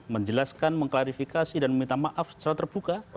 menjelaskan mengklarifikasi dan meminta maaf secara terbuka